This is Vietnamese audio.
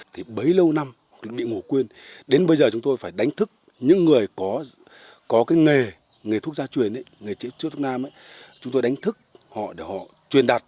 thì bấy lâu năm bị ngủ quên đến bây giờ chúng tôi phải đánh thức những người có nghề thuốc gia truyền nghề chữa thuốc nam chúng tôi đánh thức để họ truyền đạt